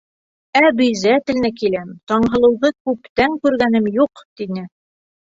Әбизәтелнә киләм, Таңһылыуҙы күптән күргәнем юҡ, тине.